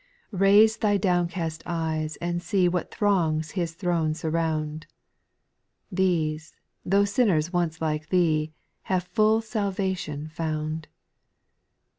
6. Raise thy downcast eyes and see What throngs His throne surround ; These, tho' sinners once like thee. Have full salvation found.